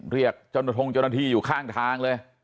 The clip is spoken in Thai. เรียกเจ้าหน้าทรงเจ้าหน้าที่อยู่ข้างทางเลย